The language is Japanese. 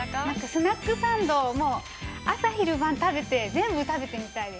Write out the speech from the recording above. ◆スナックサンドも、朝昼晩食べて、全部食べてみたいです。